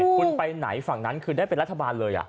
คุณไปไหนฝั่งนั้นคือได้เป็นรัฐบาลเลย